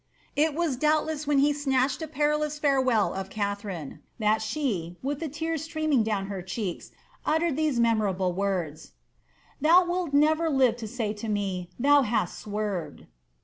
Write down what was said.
It was doubtless when he snatched a perilous farewell of Katharine, that she, with the tears streaming down her cheeks, uttered these memorable words, '^Thou wilt never live to say to me, ^Thou bast swerved.'